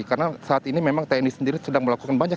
karena saat ini memang tni sendiri sedang melakukan banyak